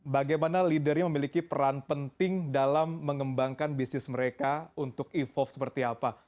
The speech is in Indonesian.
bagaimana leadernya memiliki peran penting dalam mengembangkan bisnis mereka untuk evolve seperti apa